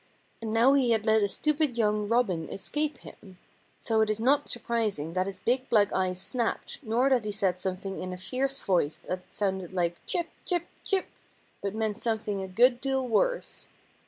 And now he had let a stupid young Robin escape him. So it is not surprising that his big black eyes snapped nor that he said something in a fierce voice that sounded like "Chip, chip, chip," but meant something a good deal worse.